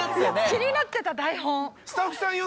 気になってた台本。